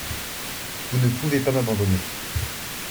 Vous ne pouvez pas m’abandonner.